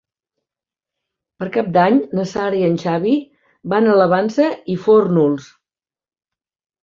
Per Cap d'Any na Sara i en Xavi van a la Vansa i Fórnols.